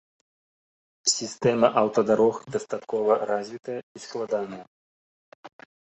Сістэма аўтадарог дастаткова развітая і складаная.